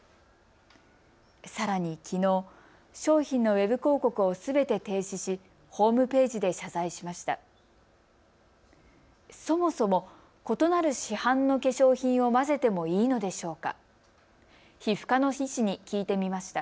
さらに、きのう商品のウェブ広告をすべて停止しホームページで謝罪しました。